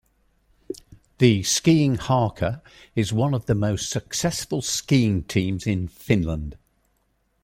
The "skiing Haka" is one of the most successful skiing teams in Finland.